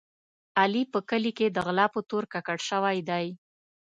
علي په کلي کې د غلا په تور ککړ شوی دی.